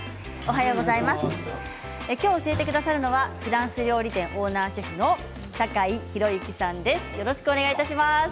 きょう教えてくださるのはフランス料理店オーナーシェフの坂井宏行さんです。